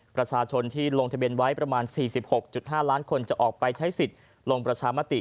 ประชาชนที่ลงทะเบียนไว้ประมาณ๔๖๕ล้านคนจะออกไปใช้สิทธิ์ลงประชามติ